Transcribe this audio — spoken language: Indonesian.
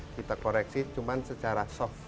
kita koreksi cuma secara soft